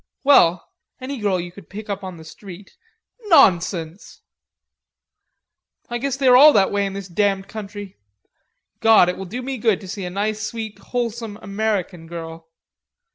"Well! Any girl you could pick up on the street...." "Nonsense!" "I guess they are all that way in this damned country.... God, it will do me good to see a nice sweet wholesome American girl."